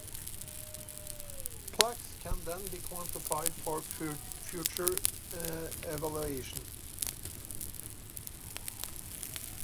Plaques can then be quantified for further evaluation.